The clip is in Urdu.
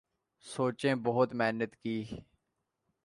سوچیں بہت محنت کی